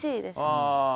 ああ。